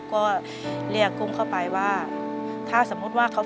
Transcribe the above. เปลี่ยนเพลงเพลงเก่งของคุณและข้ามผิดได้๑คำ